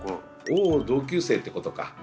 おお同級生ってことか。